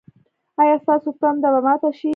ایا ستاسو تنده به ماته شي؟